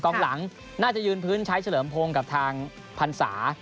กองหลังน่าจะยืนพื้นใช้เฉลิมพงศ์กับทางพันศา